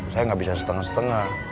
saya nggak bisa setengah setengah